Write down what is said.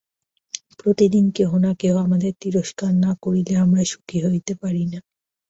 প্রতিদিন কেহ না কেহ আমাদের তিরস্কার না করিলে আমরা সুখী হইতে পারি না।